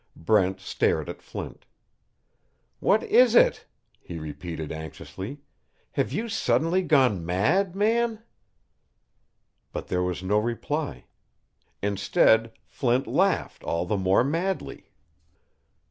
Brent stared at Flint. "What is it?" he repeated, anxiously. "Have you suddenly gone mad, man?" But there was no reply. Instead, Flint laughed all the more madly.